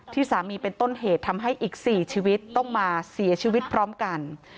สามีเป็นต้นเหตุทำให้อีก๔ชีวิตต้องมาเสียชีวิตพร้อมกัน